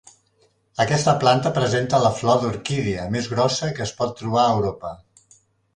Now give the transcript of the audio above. Aquesta planta presenta la flor d'orquídia més grossa que es pot trobar a Europa.